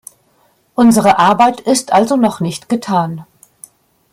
Unsere Arbeit ist also noch nicht getan.